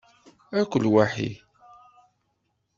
Akk lwaḥid!